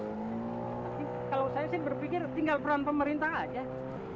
tapi kalau saya sih berpikir tinggal peran pemerintah aja